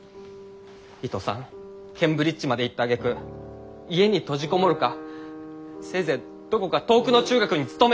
伊藤さんケンブリッジまで行ったあげく家に閉じこもるかせいぜいどこか遠くの中学に勤めるか。